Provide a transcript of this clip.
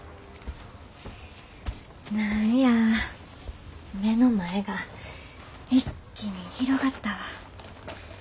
何や目の前が一気に広がったわ。